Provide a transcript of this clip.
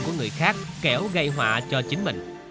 của người khác kẻo gây họa cho chính mình